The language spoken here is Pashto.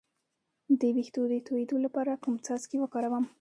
د ویښتو د تویدو لپاره کوم څاڅکي وکاروم؟